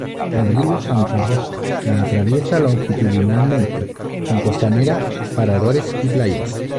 El río Santa Rosa la atraviesa longitudinalmente, con costanera, paradores y playas.